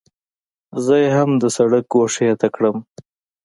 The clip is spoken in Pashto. زه یې هم د سړک ګوښې ته کړم.